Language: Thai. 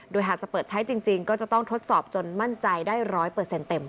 โดยหากจะเปิดใช้จริงก็จะต้องทดสอบจนมั่นใจได้ร้อยเปอร์เซ็นต์เต็มค่ะ